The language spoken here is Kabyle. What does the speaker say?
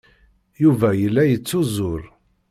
Yuba yella yettuzur.